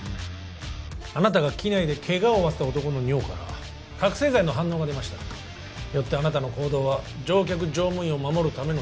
あなたが機内でケガを負わせた男の尿から覚せい剤の反応が出ましたよってあなたの行動は乗客乗務員を守るための